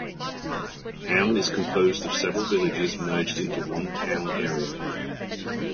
The town is composed of several villages merged into one town area.